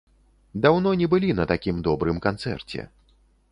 Даўно не былі на такім добрым канцэрце!